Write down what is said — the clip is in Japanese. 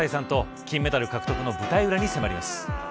と金メダル獲得の舞台裏に迫ります。